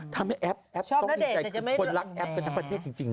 ทำให้แอปต้องดีใจคนรักแอปเป็นทางประเภทจริง